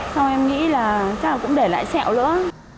sau em nghĩ là chắc là cũng để lại sẹo nữa